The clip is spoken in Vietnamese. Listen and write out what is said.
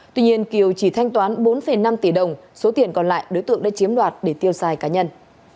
tuy nhiên kiều chỉ thanh toán bốn năm tỷ đồng số tiền còn lại đối tượng đã chiếm đoạt để tiêu xài cá nhân